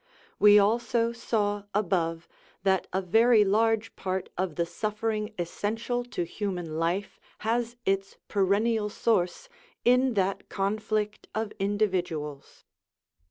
We also saw above that a very large part of the suffering essential to human life has its perennial source in that conflict of individuals.